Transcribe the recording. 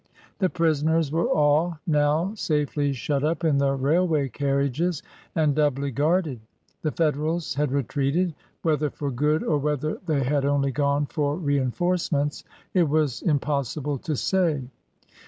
The prisoners were all now safely shut up in the railway carriages and doubly guarded; the Federals had retreated — whether for good or whether they had only gone for reinforcements it was im possible to say.